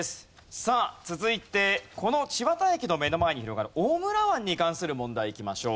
さあ続いてこの千綿駅の目の前に広がる大村湾に関する問題いきましょう。